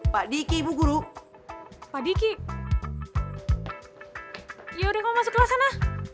pak diki ibu guru pak diki ya udah kamu masuk kelas sana